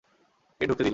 কে ঢুকতে দিলো?